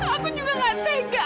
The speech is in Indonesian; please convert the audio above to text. aku juga gak tegang